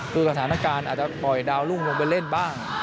คือสถานการณ์อาจจะปล่อยดาวรุ่งลงไปเล่นบ้าง